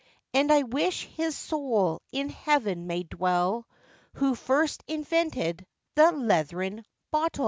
And I wish his soul in heaven may dwell, Who first invented the leathern bottèl!